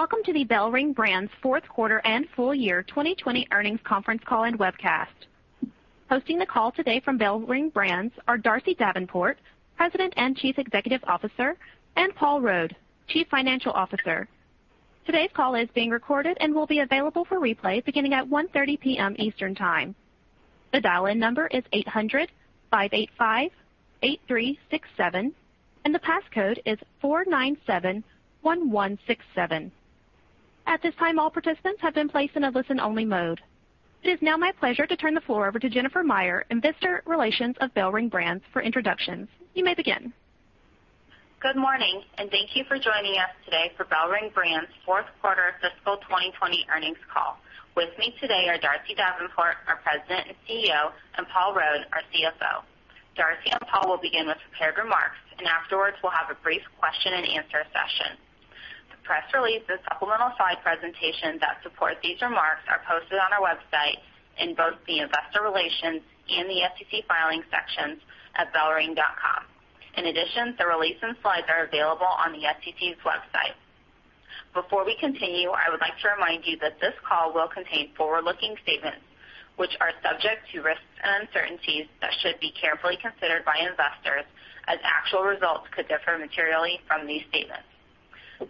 Welcome to the BellRing Brands fourth quarter and full year 2020 conference call and webcast. Hosting the call today from BellRing Brands are Darcy Davenport, President and Chief Executive Officer, and Paul Rode, Chief Financial Officer. Today's call is being recorded and will be available for replay beginning at 1:30 P.M. Eastern Time. The dialing number is 8005858367 and the passcode is 4971167. At this time all participants have been placed in a listen-only mode. It is now my pleasure to turn the floor over to Jennifer Meyer, Investor Relations of BellRing Brands for introduction. You may begin. Good morning, and thank you for joining us today for BellRing Brands' fourth quarter fiscal 2020 earnings call. With me today are Darcy Davenport, our President and CEO, and Paul Rode, our CFO. Darcy and Paul will begin with prepared remarks, and afterwards we'll have a brief question-and-answer session. The press release and supplemental slide presentation that support these remarks are posted on our website in both the Investor Relations and the SEC Filings sections at bellring.com. In addition, the release and slides are available on the SEC's website. Before we continue, I would like to remind you that this call will contain forward-looking statements, which are subject to risks and uncertainties that should be carefully considered by investors, as actual results could differ materially from these statements.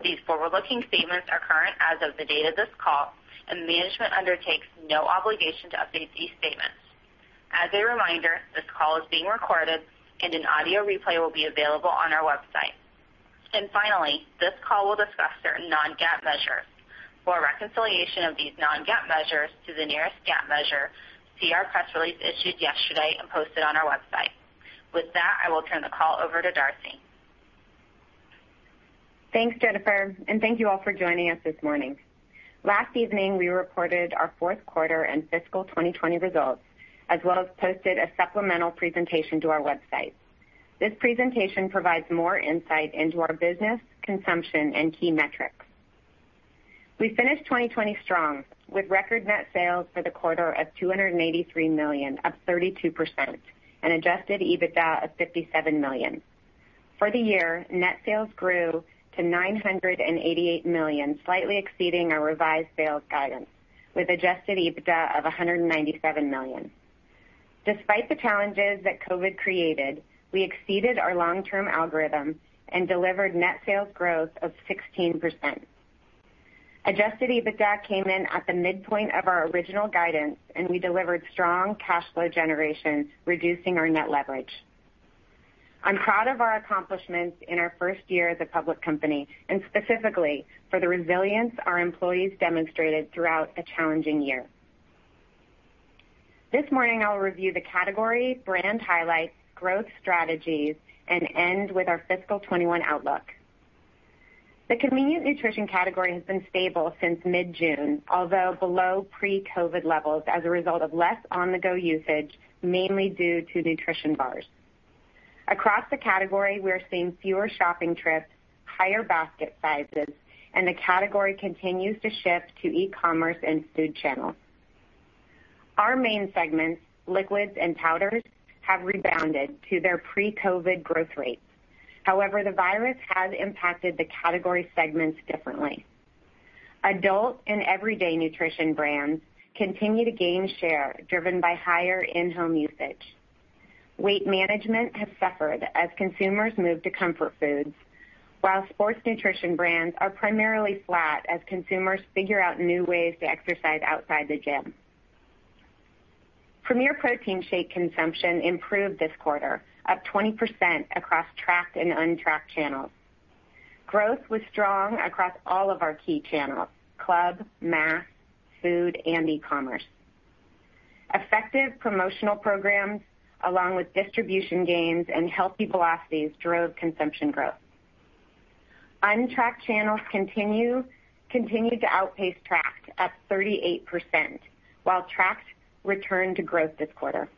These forward-looking statements are current as of the date of this call. Management undertakes no obligation to update these statements. As a reminder, this call is being recorded, and an audio replay will be available on our website. Finally, this call will discuss certain non-GAAP measures. For a reconciliation of these non-GAAP measures to the nearest GAAP measure, see our press release issued yesterday and posted on our website. With that, I will turn the call over to Darcy. Thanks, Jennifer. Thank you all for joining us this morning. Last evening, we reported our fourth quarter and fiscal 2020 results, as well as posted a supplemental presentation to our website. This presentation provides more insight into our business, consumption, and key metrics. We finished 2020 strong, with record net sales for the quarter of $283 million, up 32%, and adjusted EBITDA of $57 million. For the year, net sales grew to $988 million, slightly exceeding our revised sales guidance, with adjusted EBITDA of $197 million. Despite the challenges that COVID created, we exceeded our long-term algorithm and delivered net sales growth of 16%. Adjusted EBITDA came in at the midpoint of our original guidance, and we delivered strong cash flow generation, reducing our net leverage. I'm proud of our accomplishments in our first year as a public company, and specifically for the resilience our employees demonstrated throughout a challenging year. This morning, I'll review the category, brand highlights, growth strategies, and end with our fiscal 2021 outlook. The convenient nutrition category has been stable since mid-June, although below pre-COVID levels as a result of less on-the-go usage, mainly due to nutrition bars. Across the category, we are seeing fewer shopping trips, higher basket sizes, and the category continues to shift to e-commerce and food channels. Our main segments, liquids and powders, have rebounded to their pre-COVID growth rates. However, the virus has impacted the category segments differently. Adult and everyday nutrition brands continue to gain share, driven by higher in-home usage. Weight management has suffered as consumers move to comfort foods, while sports nutrition brands are primarily flat as consumers figure out new ways to exercise outside the gym. Premier Protein shake consumption improved this quarter, up 20% across tracked and untracked channels. Growth was strong across all of our key channels, club, mass, food, and e-commerce. Effective promotional programs, along with distribution gains and healthy velocities, drove consumption growth. Untracked channels continued to outpace tracked, at 38%, while tracked returned to growth this quarter.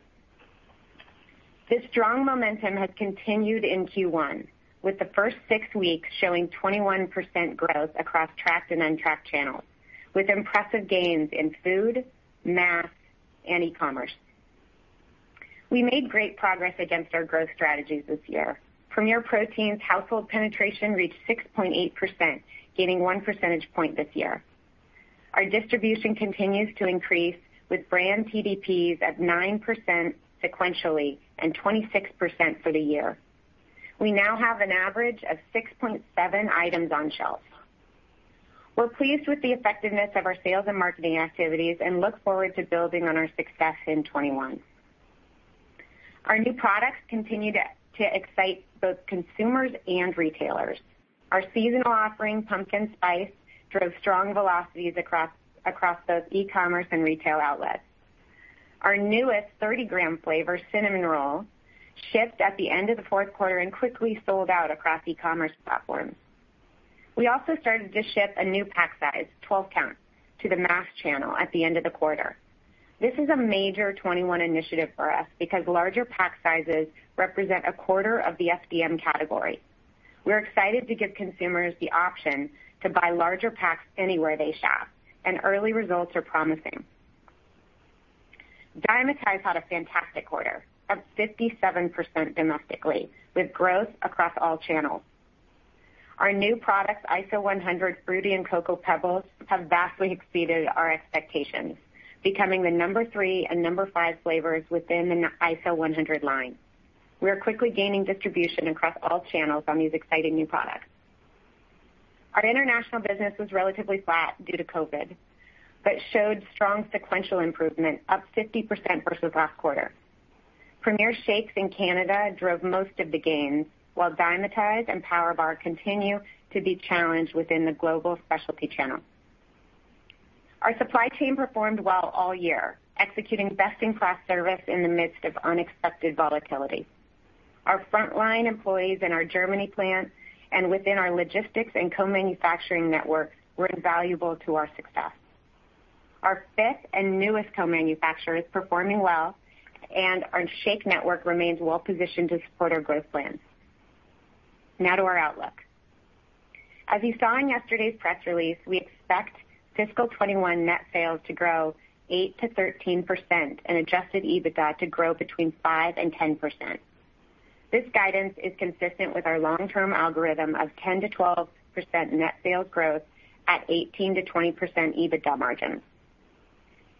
This strong momentum has continued in Q1, with the first six weeks showing 21% growth across tracked and untracked channels, with impressive gains in food, mass, and e-commerce. We made great progress against our growth strategies this year. Premier Protein's household penetration reached 6.8%, gaining 1 percentage point this year. Our distribution continues to increase, with brand TDPs at 9% sequentially and 26% for the year. We now have an average of 6.7 items on shelf. We're pleased with the effectiveness of our sales and marketing activities and look forward to building on our success in 2021. Our new products continue to excite both consumers and retailers. Our seasonal offering, Pumpkin Spice, drove strong velocities across both e-commerce and retail outlets. Our newest 30-gram flavor, Cinnamon Roll, shipped at the end of the fourth quarter and quickly sold out across e-commerce platforms. We also started to ship a new pack size, 12 count, to the mass channel at the end of the quarter. This is a major 2021 initiative for us because larger pack sizes represent a quarter of the FDM category. We're excited to give consumers the option to buy larger packs anywhere they shop. Early results are promising. Dymatize had a fantastic quarter, up 57% domestically, with growth across all channels. Our new products, ISO100 Fruity and Cocoa Pebbles, have vastly exceeded our expectations, becoming the number three and number five flavors within the ISO100 line. We are quickly gaining distribution across all channels on these exciting new products. Our international business was relatively flat due to COVID, but showed strong sequential improvement, up 50% versus last quarter. Premier Shakes in Canada drove most of the gains, while Dymatize and PowerBar continue to be challenged within the global specialty channel. Our supply chain performed well all year, executing best-in-class service in the midst of unexpected volatility. Our frontline employees in our Germany plant and within our logistics and co-manufacturing network were invaluable to our success. Our fifth and newest co-manufacturer is performing well, and our shake network remains well-positioned to support our growth plans. Now to our outlook. As you saw in yesterday's press release, we expect fiscal 2021 net sales to grow 8%-13% and adjusted EBITDA to grow between 5% and 10%. This guidance is consistent with our long-term algorithm of 10%-12% net sales growth at 18%-20% EBITDA margin.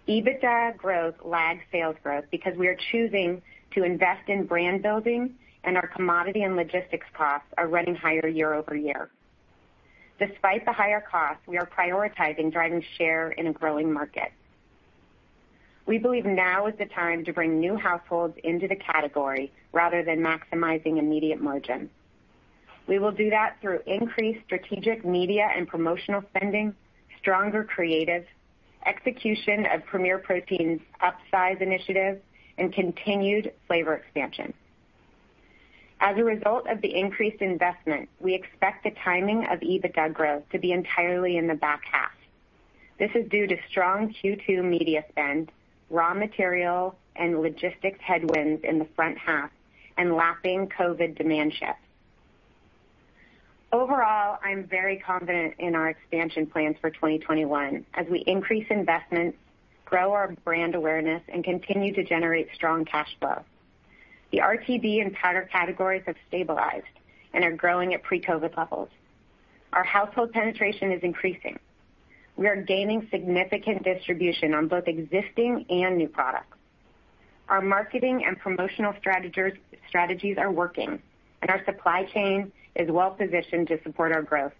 EBITDA growth lags sales growth because we are choosing to invest in brand building, and our commodity and logistics costs are running higher year-over-year. Despite the higher costs, we are prioritizing driving share in a growing market. We believe now is the time to bring new households into the category rather than maximizing immediate margin. We will do that through increased strategic media and promotional spending, stronger creative, execution of Premier Protein's Upsize Initiative, and continued flavor expansion. As a result of the increased investment, we expect the timing of EBITDA growth to be entirely in the back half. This is due to strong Q2 media spend, raw material and logistics headwinds in the front half, and lapping COVID demand shift. Overall, I'm very confident in our expansion plans for 2021 as we increase investment, grow our brand awareness, and continue to generate strong cash flow. The RTD and powder categories have stabilized and are growing at pre-COVID levels. Our household penetration is increasing. We are gaining significant distribution on both existing and new products. Our marketing and promotional strategies are working, and our supply chain is well-positioned to support our growth.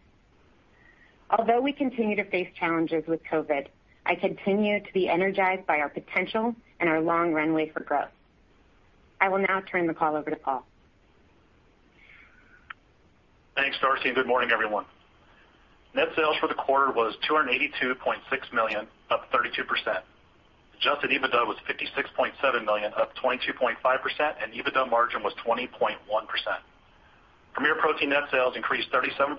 Although we continue to face challenges with COVID, I continue to be energized by our potential and our long runway for growth. I will now turn the call over to Paul. Thanks, Darcy, and good morning, everyone. Net sales for the quarter was $282.6 million, up 32%. Adjusted EBITDA was $56.7 million, up 22.5%, and EBITDA margin was 20.1%. Premier Protein net sales increased 37%,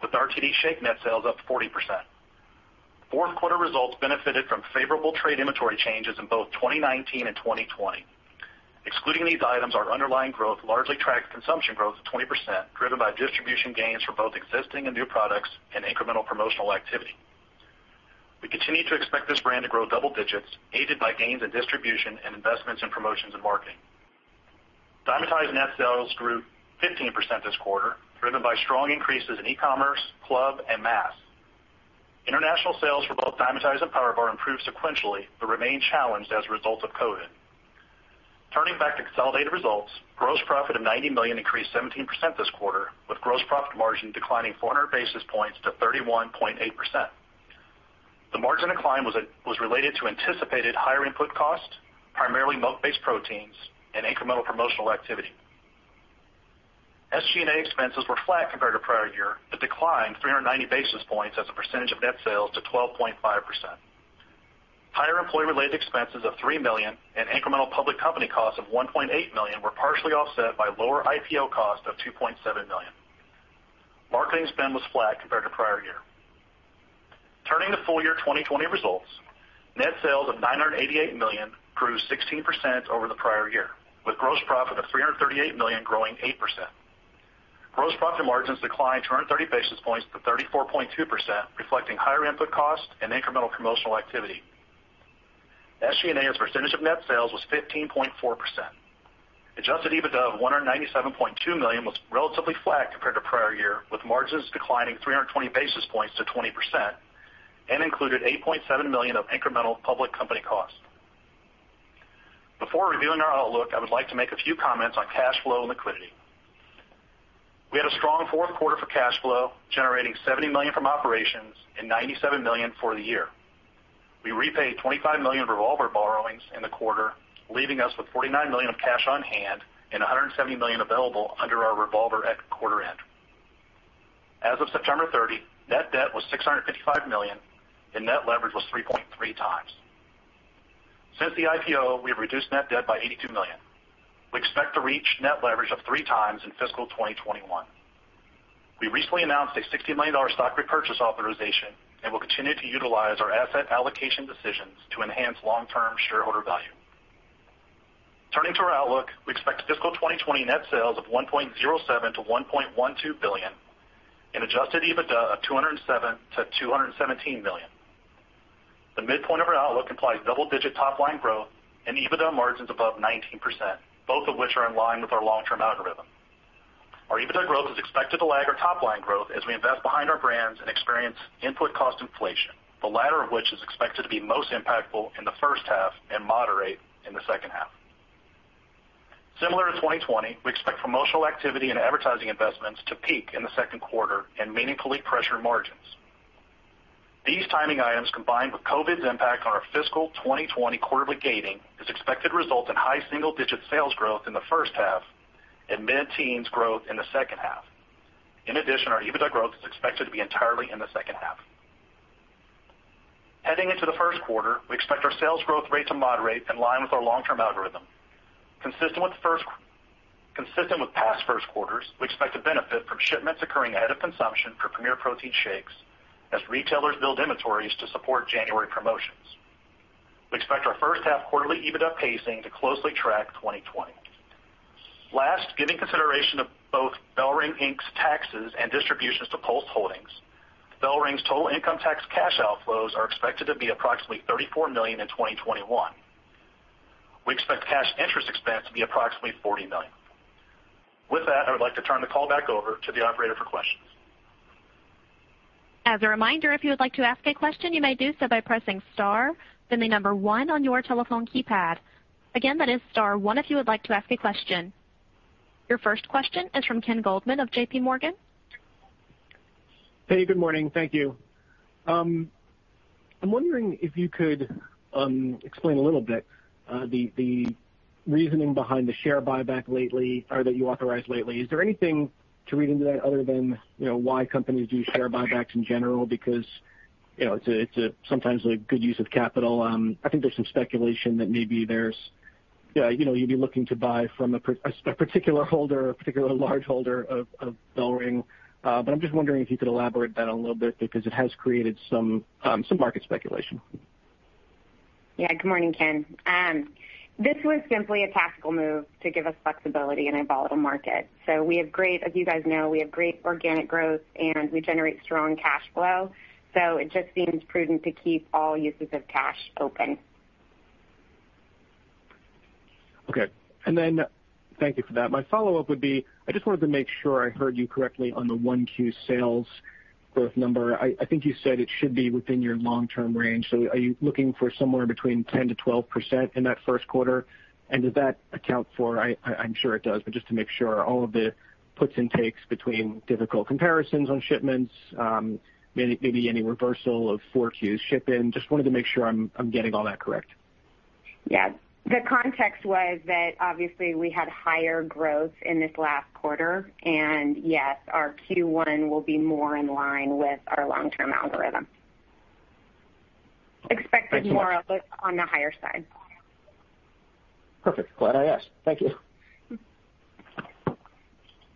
with RTD Shake net sales up 40%. Fourth quarter results benefited from favorable trade inventory changes in both 2019 and 2020. Excluding these items, our underlying growth largely tracked consumption growth of 20%, driven by distribution gains for both existing and new products, and incremental promotional activity. We continue to expect this brand to grow double digits, aided by gains in distribution and investments in promotions and marketing. Dymatize net sales grew 15% this quarter, driven by strong increases in e-commerce, club, and mass. International sales for both Dymatize and PowerBar improved sequentially but remain challenged as a result of COVID. Turning back to consolidated results, gross profit of $90 million increased 17% this quarter, with gross profit margin declining 400 basis points to 31.8%. The margin decline was related to anticipated higher input costs, primarily milk-based proteins, and incremental promotional activity. SG&A expenses were flat compared to prior year, declined 390 basis points as a percentage of net sales to 12.5%. Higher employee-related expenses of $3 million and incremental public company costs of $1.8 million were partially offset by lower IPO costs of $2.7 million. Marketing spend was flat compared to prior year. Turning to full year 2020 results, net sales of $988 million grew 16% over the prior year, with gross profit of $338 million growing 8%. Gross profit margins declined 230 basis points to 34.2%, reflecting higher input costs and incremental promotional activity. SG&A as a percentage of net sales was 15.4%. Adjusted EBITDA of $197.2 million was relatively flat compared to prior year, with margins declining 320 basis points to 20%, and included $8.7 million of incremental public company costs. Before reviewing our outlook, I would like to make a few comments on cash flow and liquidity. We had a strong fourth quarter for cash flow, generating $70 million from operations and $97 million for the year. We repaid $25 million of revolver borrowings in the quarter, leaving us with $49 million of cash on hand and $170 million available under our revolver at quarter end. As of September 30, net debt was $655 million, and net leverage was 3.3x. Since the IPO, we have reduced net debt by $82 million. We expect to reach net leverage of 3x in fiscal 2021. We recently announced a $60 million stock repurchase authorization and will continue to utilize our asset allocation decisions to enhance long-term shareholder value. Turning to our outlook, we expect fiscal 2020 net sales of $1.07 billion-$1.12 billion and adjusted EBITDA of $207 million-$217 million. The midpoint of our outlook implies double-digit top-line growth and EBITDA margins above 19%, both of which are in line with our long-term algorithm. Our EBITDA growth is expected to lag our top line growth as we invest behind our brands and experience input cost inflation, the latter of which is expected to be most impactful in the first half and moderate in the second half. Similar to 2020, we expect promotional activity and advertising investments to peak in the second quarter and meaningfully pressure margins. These timing items, combined with COVID's impact on our fiscal 2020 quarterly gating, is expected to result in high single-digit sales growth in the first half and mid-teens growth in the second half. In addition, our EBITDA growth is expected to be entirely in the second half. Heading into the first quarter, we expect our sales growth rate to moderate in line with our long-term algorithm. Consistent with past first quarters, we expect to benefit from shipments occurring ahead of consumption for Premier Protein shakes as retailers build inventories to support January promotions. We expect our first-half quarterly EBITDA pacing to closely track 2020. Last, giving consideration of both BellRing Brands, Inc.'s taxes and distributions to Post Holdings, BellRing's total income tax cash outflows are expected to be approximately $34 million in 2021. We expect cash interest expense to be approximately $40 million. With that, I would like to turn the call back over to the operator for questions. As a reminder, if you would like to ask a question, you may do so by pressing star, then the number one on your telephone keypad. Again, that is star one if you would like to ask a question. Your first question is from Ken Goldman of JPMorgan. Hey, good morning. Thank you. I'm wondering if you could explain a little bit the reasoning behind the share buyback lately or that you authorized lately. Is there anything to read into that other than why companies do share buybacks in general? It's sometimes a good use of capital. I think there's some speculation that maybe you'd be looking to buy from a particular holder, a particularly large holder of BellRing. I'm just wondering if you could elaborate that a little bit because it has created some market speculation. Yeah. Good morning, Ken. This was simply a tactical move to give us flexibility in a volatile market. As you guys know, we have great organic growth, and we generate strong cash flow, so it just seems prudent to keep all uses of cash open. Okay. Thank you for that. My follow-up would be, I just wanted to make sure I heard you correctly on the one Q sales growth number. I think you said it should be within your long-term range. Are you looking for somewhere between 10%-12% in that first quarter? Did that account for, I'm sure it does, but just to make sure, all of the puts and takes between difficult comparisons on shipments, maybe any reversal of 4Q ship in? Just wanted to make sure I'm getting all that correct. Yeah. The context was that obviously we had higher growth in this last quarter. Yes, our Q1 will be more in line with our long-term algorithm. Expected more outlook on the higher side. Perfect. Glad I asked. Thank you.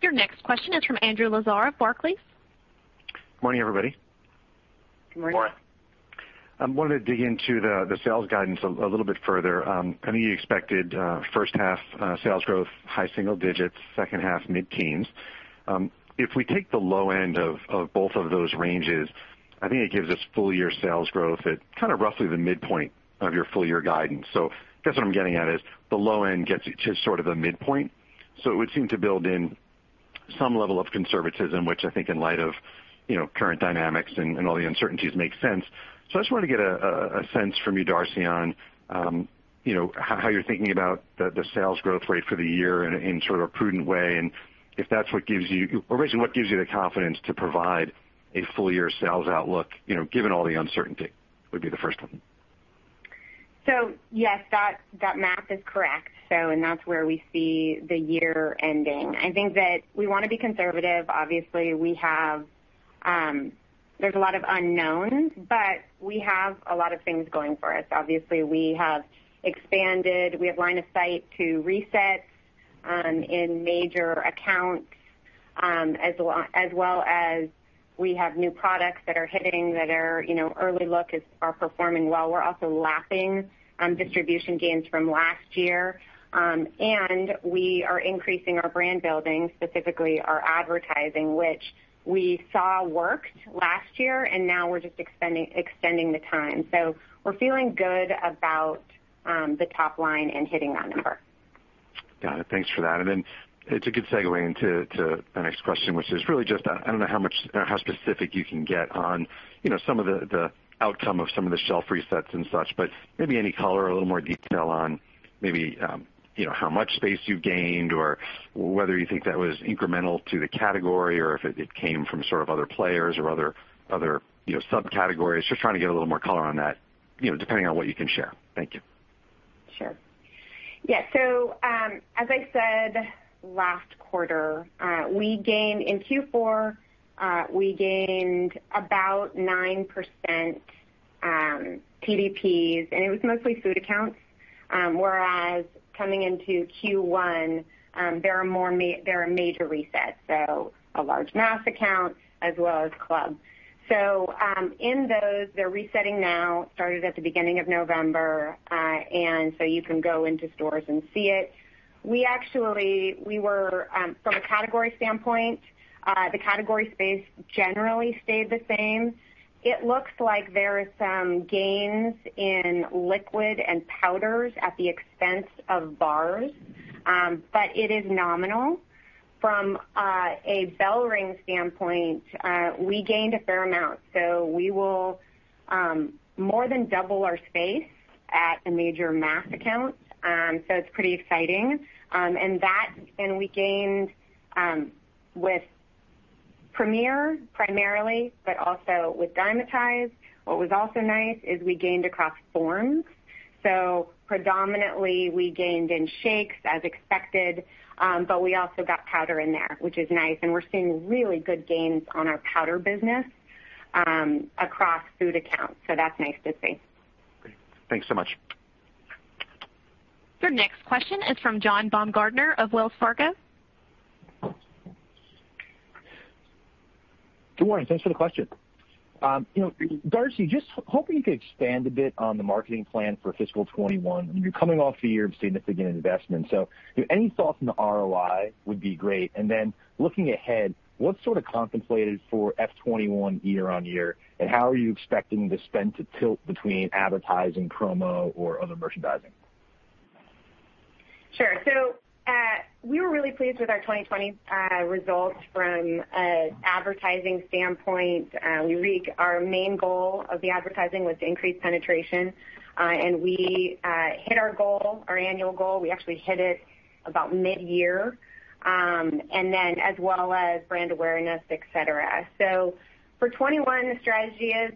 Your next question is from Andrew Lazar of Barclays. Morning, everybody. Good morning. Morning. I wanted to dig into the sales guidance a little bit further. I know you expected first half sales growth high single digits, second half mid-teens. If we take the low end of both of those ranges, I think it gives us full year sales growth at kind of roughly the midpoint of your full year guidance. I guess what I'm getting at is the low end gets you to sort of the midpoint. It would seem to build in some level of conservatism, which I think in light of current dynamics and all the uncertainties make sense. I just wanted to get a sense from you, Darcy, on how you're thinking about the sales growth rate for the year in sort of a prudent way, and if that's what gives you the confidence to provide a full year sales outlook, given all the uncertainty, would be the first one. Yes, that math is correct. That's where we see the year ending. I think that we want to be conservative. Obviously, there's a lot of unknowns, but we have a lot of things going for us. Obviously, we have expanded. We have line of sight to resets in major accounts, as well as we have new products that are hitting that early look are performing well. We're also lapping distribution gains from last year. We are increasing our brand building, specifically our advertising, which we saw worked last year, and now we're just extending the time. We're feeling good about the top line and hitting that number. Got it. Thanks for that. It's a good segue into the next question, which is really just, I don't know how specific you can get on some of the outcome of some of the shelf resets and such, but maybe any color or a little more detail on maybe how much space you gained or whether you think that was incremental to the category or if it came from sort of other players or other subcategories. Just trying to get a little more color on that, depending on what you can share. Thank you. Sure. Yeah. As I said, last quarter, in Q4, we gained about 9% TDPs, and it was mostly food accounts. Coming into Q1, there are major resets, so a large mass account as well as club. In those, they're resetting now, started at the beginning of November, and so you can go into stores and see it. From a category standpoint, the category space generally stayed the same. It looks like there is some gains in liquid and powders at the expense of bars, but it is nominal. From a BellRing standpoint, we gained a fair amount. We will more than double our space at a major mass account, so it's pretty exciting. We gained with Premier primarily, but also with Dymatize. What was also nice is we gained across forms. Predominantly, we gained in shakes as expected, but we also got powder in there, which is nice, and we're seeing really good gains on our powder business across food accounts. That's nice to see. Great. Thanks so much. Your next question is from John Baumgartner of Wells Fargo. Good morning. Thanks for the question. Darcy, just hoping you could expand a bit on the marketing plan for fiscal 2021. You're coming off a year of significant investment. Any thoughts on the ROI would be great. Looking ahead, what's sort of contemplated for FY 2021 year-on-year, and how are you expecting the spend to tilt between advertising, promo, or other merchandising? Sure. We were really pleased with our 2020 results from an advertising standpoint. Our main goal of the advertising was to increase penetration, and we hit our goal, our annual goal. We actually hit it about mid-year, and then as well as brand awareness, et cetera. For 2021, the strategy is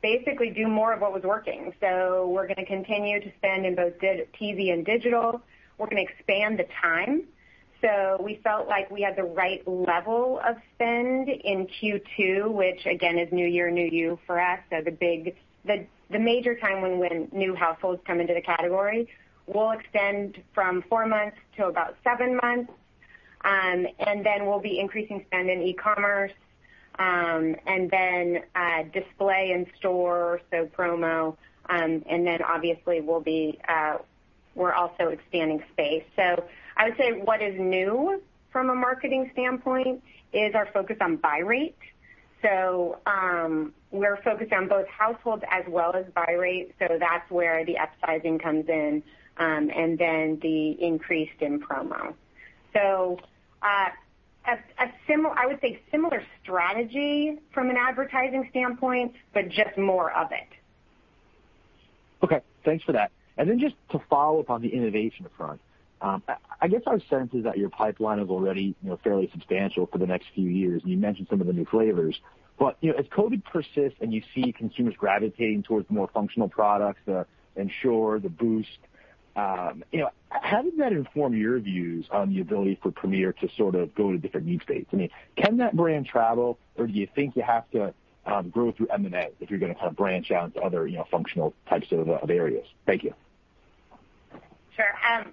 basically do more of what was working. We're going to continue to spend in both TV and digital. We're going to expand the time. We felt like we had the right level of spend in Q2, which again, is new year, new you for us as the major time when new households come into the category. We'll extend from four months to about seven months, and then we'll be increasing spend in e-commerce, and then display in store, so promo, and then obviously we're also expanding space. I would say what is new from a marketing standpoint is our focus on buy rate. We're focused on both households as well as buy rate, so that's where the upsizing comes in, and then the increase in promo. I would say similar strategy from an advertising standpoint, but just more of it. Okay. Thanks for that. Just to follow up on the innovation front. I guess our sense is that your pipeline is already fairly substantial for the next few years, and you mentioned some of the new flavors. As COVID persists and you see consumers gravitating towards more functional products, the Ensure, the Boost, how does that inform your views on the ability for Premier to sort of go to different need states? Can that brand travel, or do you think you have to grow through M&A if you're going to kind of branch out into other functional types of areas? Thank you. Sure.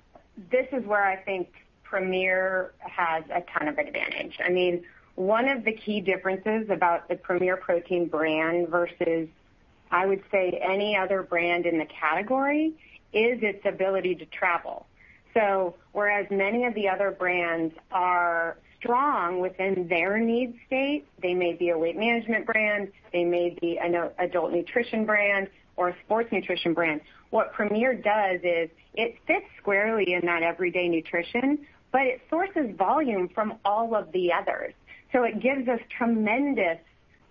This is where I think Premier has a ton of advantage. One of the key differences about the Premier Protein brand versus, I would say any other brand in the category is its ability to travel. Whereas many of the other brands are strong within their need state, they may be a weight management brand, they may be an adult nutrition brand or a sports nutrition brand. What Premier does is it fits squarely in that everyday nutrition, but it sources volume from all of the others. It gives us tremendous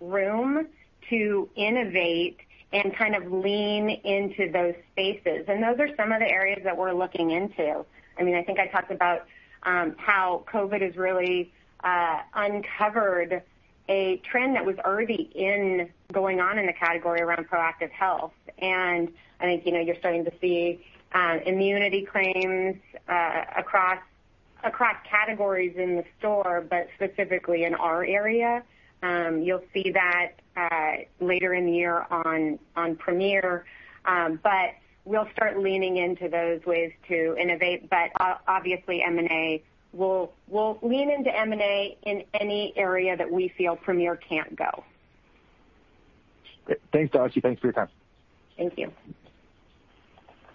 room to innovate and kind of lean into those spaces. Those are some of the areas that we're looking into. I think I talked about how COVID has really uncovered a trend that was already going on in the category around proactive health. I think you're starting to see immunity claims across categories in the store, but specifically in our area. You'll see that later in the year on Premier. We'll start leaning into those ways to innovate. Obviously, we'll lean into M&A in any area that we feel Premier can't go. Great. Thanks, Darcy. Thanks for your time. Thank you.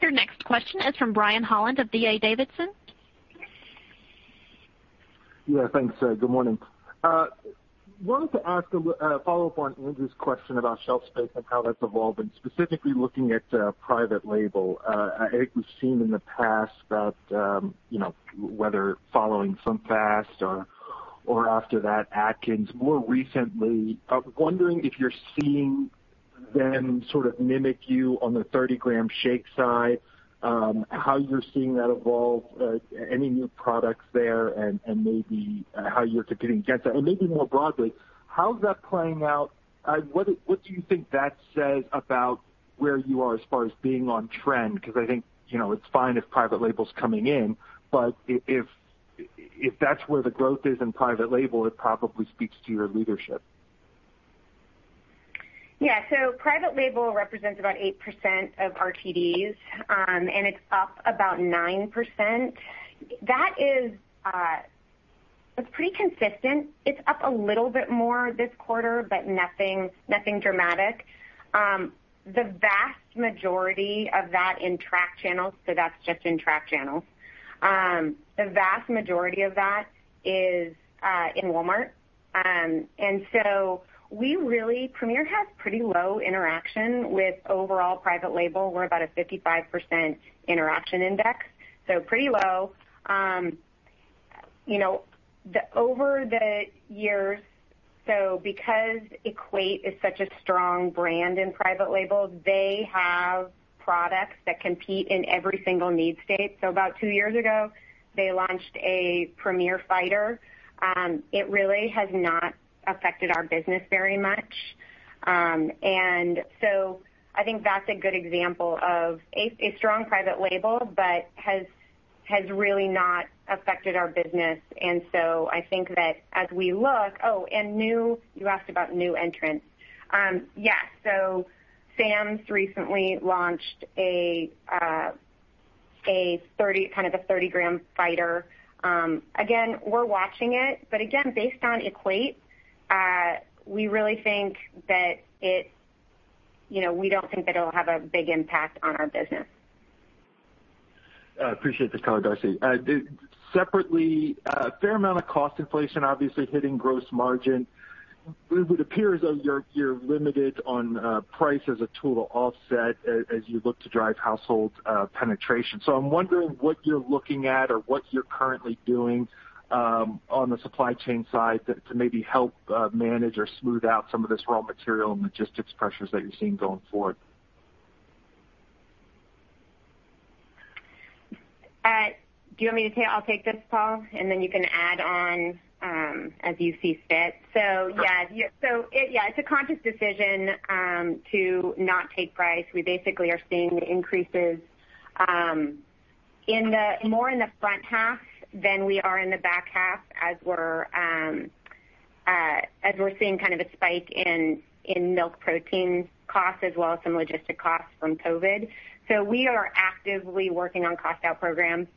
Your next question is from Brian Holland of D.A. Davidson. Yeah, thanks. Good morning. Wanted to ask a follow-up on Andrew's question about shelf space and how that's evolved, and specifically looking at private label. I think we've seen in the past about whether following SlimFast or after that, Atkins, more recently. Wondering if you're seeing them sort of mimic you on the 30-gram shake side, how you're seeing that evolve, any new products there, and maybe how you're competing against that. Maybe more broadly, how is that playing out? What do you think that says about where you are as far as being on trend? Because I think it's fine if private label's coming in, but if that's where the growth is in private label, it probably speaks to your leadership. Yeah. Private label represents about 8% of RTDs, and it's up about 9%. That is pretty consistent. It's up a little bit more this quarter, but nothing dramatic. The vast majority of that in track channels, so that's just in tracked channels. The vast majority of that is in Walmart. Premier has pretty low interaction with overall private label. We're about a 55% interaction index, so pretty low. Over the years, because Equate is such a strong brand in private label, they have products that compete in every single need state. About two years ago, they launched a Premier fighter. It really has not affected our business very much. I think that's a good example of a strong private label, but has really not affected our business. I think that as we look. Oh, you asked about new entrants. Yeah. Sam's recently launched a 30-gram fighter. Again, we're watching it. But again, based on Equate, we don't think that it'll have a big impact on our business. I appreciate the color, Darcy. Separately, a fair amount of cost inflation obviously hitting gross margin. It would appear as though you're limited on price as a tool to offset as you look to drive household penetration. I'm wondering what you're looking at or what you're currently doing on the supply chain side to maybe help manage or smooth out some of this raw material and logistics pressures that you're seeing going forward. I'll take this, Paul, and then you can add on as you see fit. Yeah, it's a conscious decision to not take price. We basically are seeing the increases more in the front half than we are in the back half as we're seeing a spike in milk protein costs as well as some logistic costs from COVID. We are actively working on cost-out programs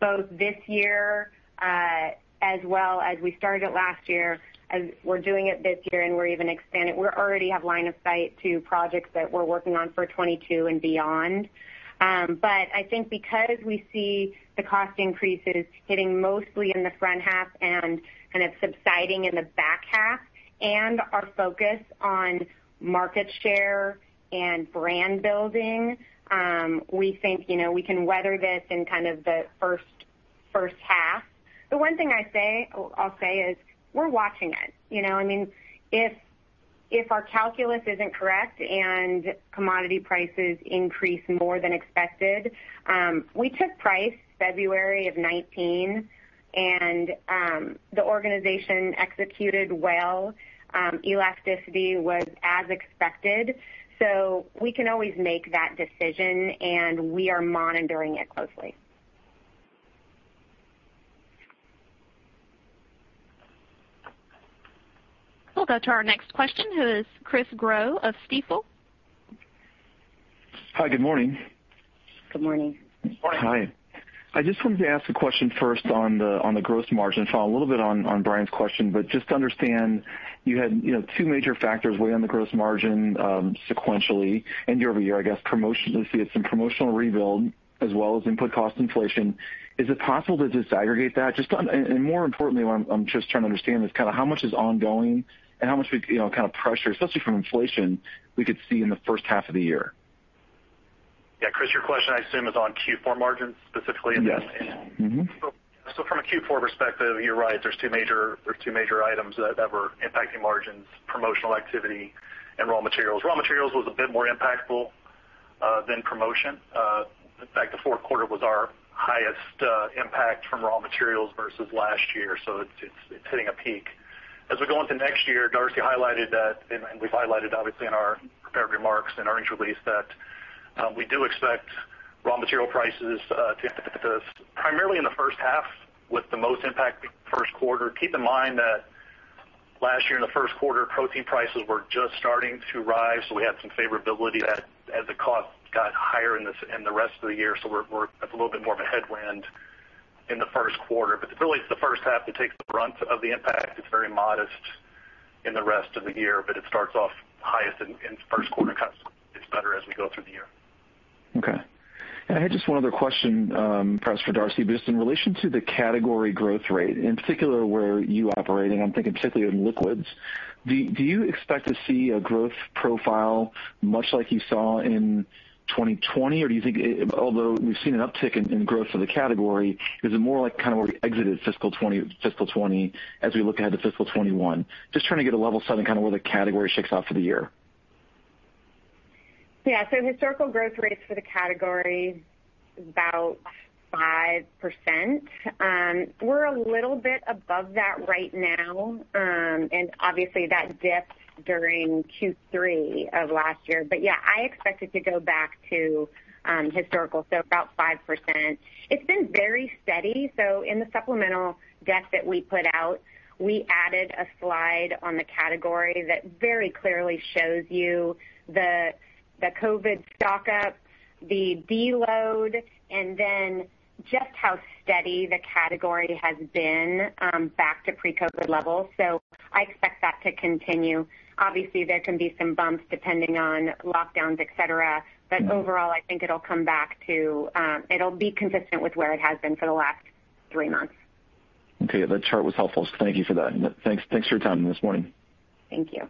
both this year as well as we started it last year, and we're doing it this year, and we're even expanding. We already have line of sight to projects that we're working on for 2022 and beyond. I think because we see the cost increases hitting mostly in the front half and subsiding in the back half, and our focus on market share and brand building, we think we can weather this in the first half. The one thing I'll say is we're watching it. If our calculus isn't correct and commodity prices increase more than expected, we took price February of 2019, and the organization executed well. Elasticity was as expected. We can always make that decision, and we are monitoring it closely. We'll go to our next question, who is Chris Growe of Stifel. Hi, good morning. Good morning. Good morning. Hi. I just wanted to ask a question first on the gross margin, Paul, a little bit on Brian's question, just to understand, you had two major factors weigh on the gross margin sequentially and year-over-year. You see it's some promotional rebuild as well as input cost inflation. Is it possible to disaggregate that? More importantly, what I'm just trying to understand is how much is ongoing and how much pressure, especially from inflation, we could see in the first half of the year? Yeah, Chris, your question, I assume, is on Q4 margins specifically? Yes. Mm-hmm. From a Q4 perspective, you're right. There's two major items that were impacting margins, promotional activity and raw materials. Raw materials was a bit more impactful than promotion. In fact, the fourth quarter was our highest impact from raw materials versus last year. It's hitting a peak. As we go into next year, Darcy highlighted that, and we've highlighted, obviously, in our prepared remarks and earnings release that we do expect raw material prices to impact us primarily in the first half, with the most impact being first quarter. Keep in mind that last year in the first quarter, protein prices were just starting to rise, so we had some favorability as the cost got higher in the rest of the year. We're at a little bit more of a headwind in the first quarter. Really, it's the first half that takes the brunt of the impact. It's very modest in the rest of the year, but it starts off highest in first quarter cuts. It's better as we go through the year. I had just one other question, perhaps for Darcy. Just in relation to the category growth rate, in particular where you operate, and I'm thinking particularly in liquids, do you expect to see a growth profile much like you saw in 2020? Do you think, although we've seen an uptick in growth of the category, is it more like where we exited fiscal 2020 as we look ahead to fiscal 2021? Just trying to get a level setting where the category shakes out for the year. Yeah. Historical growth rates for the category is about 5%. We're a little bit above that right now, and obviously that dipped during Q3 of last year. Yeah, I expect it to go back to historical, so about 5%. It's been very steady. In the supplemental deck that we put out, we added a slide on the category that very clearly shows you the COVID stock-up, the deload, and then just how steady the category has been back to pre-COVID levels. I expect that to continue. Obviously, there can be some bumps depending on lockdowns, et cetera. Overall, I think it'll be consistent with where it has been for the last three months. Okay. That chart was helpful. Thank you for that. Thanks for your time this morning. Thank you.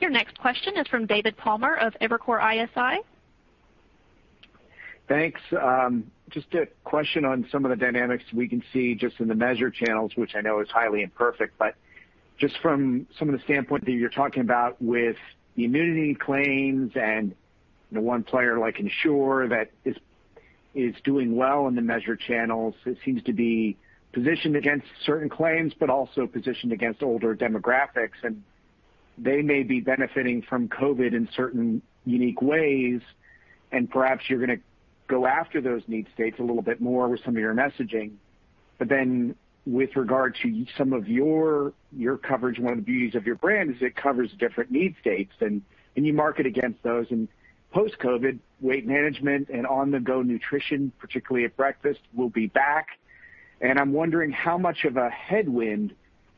Your next question is from David Palmer of Evercore ISI. Thanks. Just a question on some of the dynamics we can see just in the measured channels, which I know is highly imperfect, but just from some of the standpoint that you're talking about with the immunity claims and the one player like Ensure that is doing well in the measured channels, it seems to be positioned against certain claims, but also positioned against older demographics. They may be benefiting from COVID in certain unique ways, and perhaps you're going to go after those need states a little bit more with some of your messaging. With regard to some of your coverage, one of the beauties of your brand is it covers different need states, and you market against those. Post-COVID, weight management and on-the-go nutrition, particularly at breakfast, will be back. I'm wondering how much of a headwind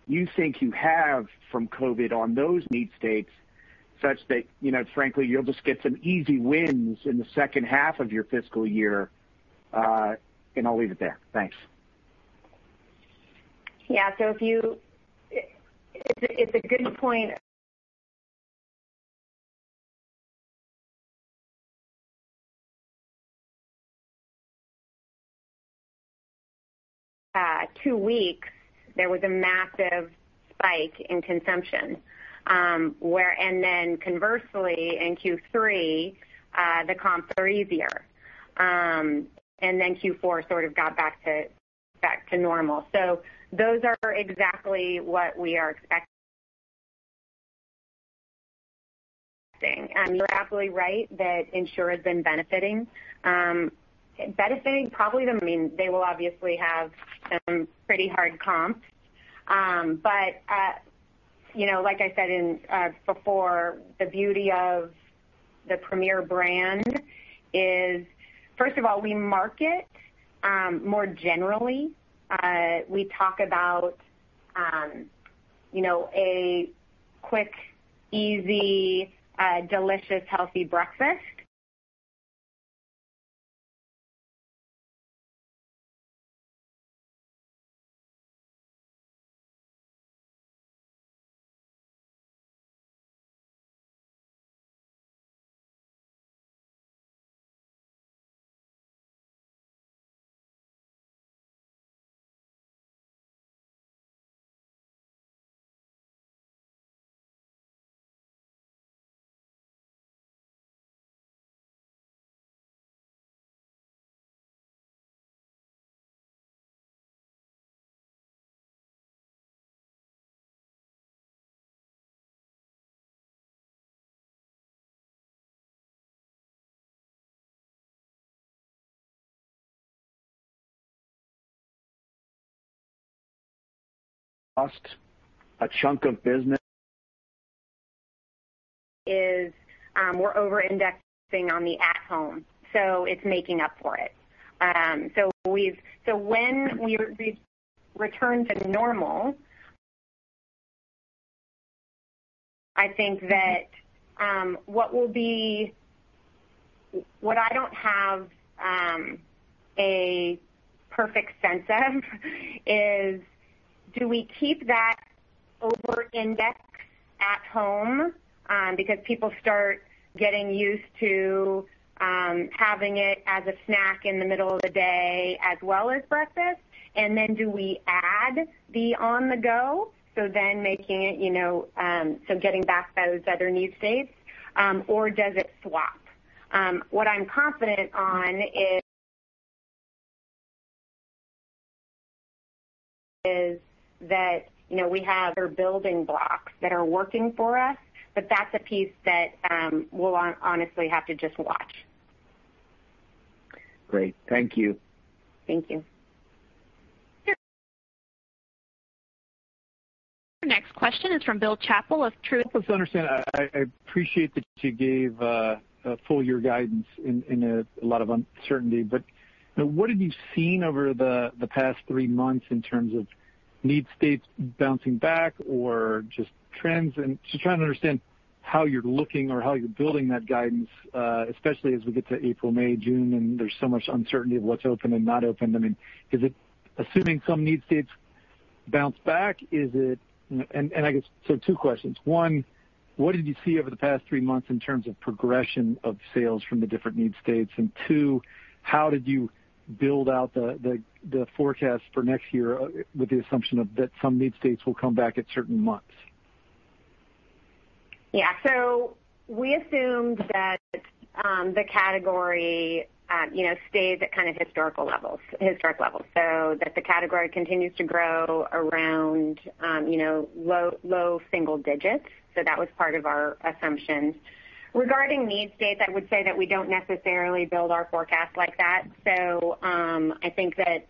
you think you have from COVID on those need states such that, frankly, you'll just get some easy wins in the second half of your fiscal year. I'll leave it there. Thanks. Yeah. It's a good point. Two weeks, there was a massive spike in consumption. Conversely, in Q3, the comps are easier. Q4 sort of got back to normal. Those are exactly what we are expecting. You're absolutely right that Ensure has been benefiting. I mean, they will obviously have some pretty hard comps. Like I said before, the beauty of the Premier brand is, first of all, we market more generally. We talk about a quick, easy, delicious, healthy breakfast. Lost a chunk of business. We're over-indexing on the at home, so it's making up for it. When we return to normal, I think that what I don't have a perfect sense of is, do we keep that over-index at home? People start getting used to having it as a snack in the middle of the day as well as breakfast. Do we add the on the go? Making it, so getting back those other need states, or does it swap? What I'm confident on is that we have other building blocks that are working for us, that's a piece that we'll honestly have to just watch. Great. Thank you. Thank you. Your next question is from Bill Chappell of Truist Securities. Help us understand. I appreciate that you gave full year guidance in a lot of uncertainty, but what have you seen over the past three months in terms of need states bouncing back or just trends? Just trying to understand how you're looking or how you're building that guidance, especially as we get to April, May, June, and there's so much uncertainty of what's open and not open. I mean, is it assuming some need states bounce back? Two questions. One, what did you see over the past three months in terms of progression of sales from the different need states? Two, how did you build out the forecast for next year with the assumption that some need states will come back at certain months? Yeah. We assumed that the category stays at kind of historic levels. The category continues to grow around low single digits. That was part of our assumptions. Regarding need states, I would say that we don't necessarily build our forecast like that. I think that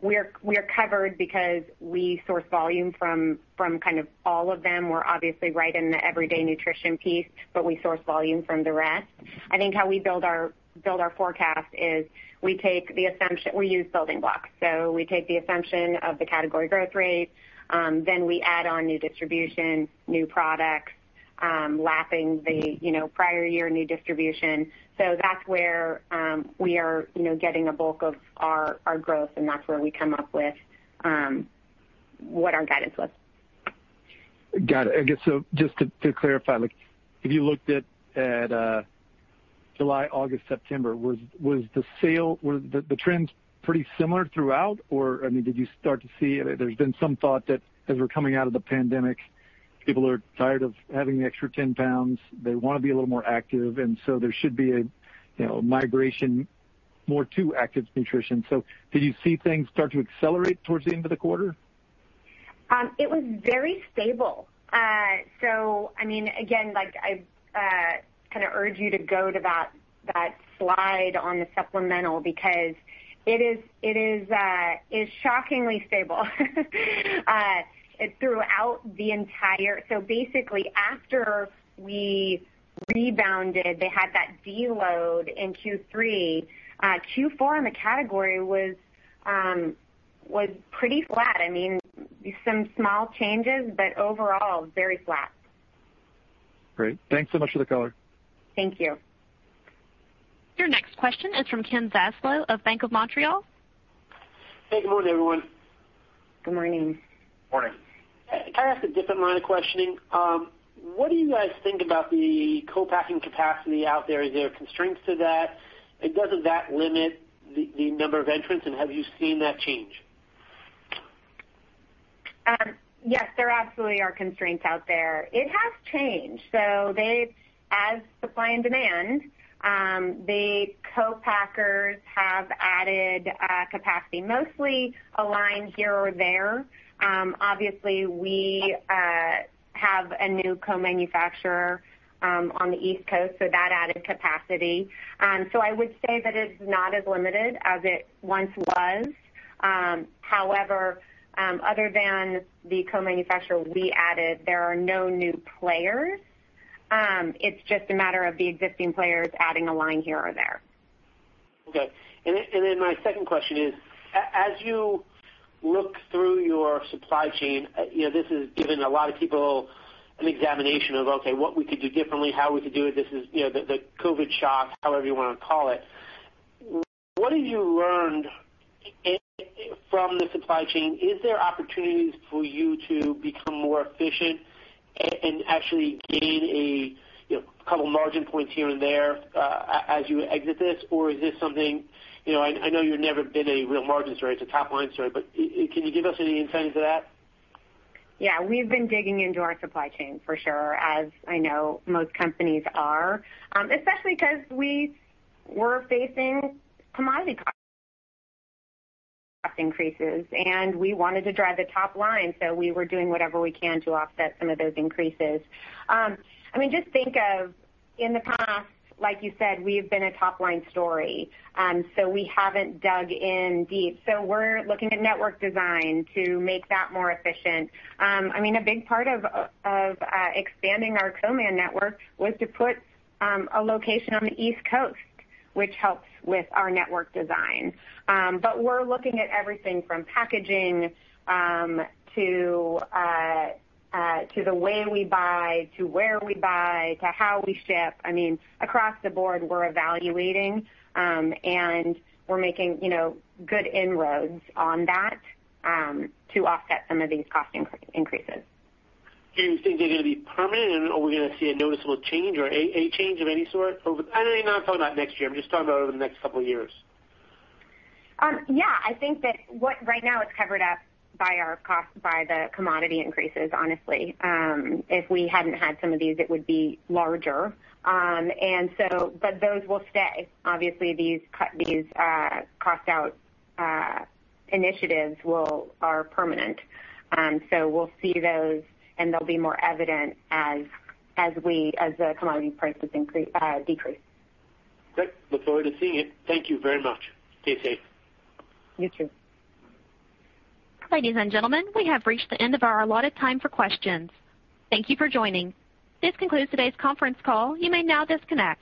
we're covered because we source volume from kind of all of them. We're obviously right in the everyday nutrition piece, but we source volume from the rest. I think how we build our forecast is we use building blocks. We take the assumption of the category growth rates, then we add on new distribution, new products, lapping the prior year new distribution. That's where we are getting a bulk of our growth, and that's where we come up with what our guidance was. Got it. I guess, just to clarify, like if you looked at July, August, September, were the trends pretty similar throughout or, I mean, did you start to see, there's been some thought that as we're coming out of the pandemic, people are tired of having the extra 10 lbs. They want to be a little more active, and there should be a migration more to active nutrition. Did you see things start to accelerate towards the end of the quarter? It was very stable. I mean, again, like I kind of urge you to go to that slide on the supplemental because it is shockingly stable. Basically after we rebounded, they had that deload in Q3. Q4 in the category was pretty flat. I mean, some small changes, but overall very flat. Great. Thanks so much for the color. Thank you. Your next question is from Ken Zaslow of Bank of Montreal. Hey, good morning, everyone. Good morning. Morning. Can I ask a different line of questioning? What do you guys think about the co-packing capacity out there? Is there constraints to that? Doesn't that limit the number of entrants, and have you seen that change? Yes, there absolutely are constraints out there. It has changed. As supply and demand, the co-packers have added capacity, mostly a line here or there. Obviously, we have a new co-manufacturer on the East Coast, so that added capacity. I would say that it's not as limited as it once was. However, other than the co-manufacturer we added, there are no new players. It's just a matter of the existing players adding a line here or there. Okay. My second question is, as you look through your supply chain, this has given a lot of people an examination of, okay, what we could do differently, how we could do it. This is the COVID shock, however you want to call it. What have you learned from the supply chain? Is there opportunities for you to become more efficient and actually gain a couple margin points here and there, as you exit this? Is this something, I know you've never been a real margin story, it's a top-line story, but can you give us any insights to that? Yeah. We've been digging into our supply chain for sure, as I know most companies are. Especially because we were facing commodity cost increases, and we wanted to drive the top line, so we were doing whatever we can to offset some of those increases. I mean, just think of in the past, like you said, we've been a top-line story. We haven't dug in deep. We're looking at network design to make that more efficient. I mean, a big part of expanding our co-man network was to put a location on the East Coast, which helps with our network design. We're looking at everything from packaging, to the way we buy, to where we buy, to how we ship. I mean, across the board, we're evaluating, and we're making good inroads on that, to offset some of these cost increases. Do you think they're going to be permanent, and are we going to see a noticeable change or any change of any sort? I'm not talking about next year, I'm just talking about over the next couple of years. Yeah, I think that what right now is covered up by the commodity increases, honestly. If we hadn't had some of these, it would be larger. Those will stay. Obviously, these cost out initiatives are permanent. We'll see those, and they'll be more evident as the commodity prices decrease. Great. Look forward to seeing it. Thank you very much. Stay safe. You, too. Ladies and gentlemen, we have reached the end of our allotted time for questions. Thank you for joining. This concludes today's conference call. You may now disconnect.